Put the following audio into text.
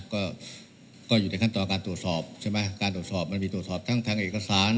ก็ก็อยู่ในขั้นตอนการตรวจสอบใช่ไหมการตรวจสอบมันมีตรวจสอบทั้งทางเอกสาร